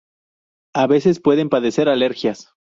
A veces pueden padecer alergias.